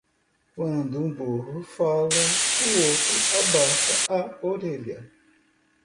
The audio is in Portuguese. Quando um burro fala, o outro abaixa a orelha.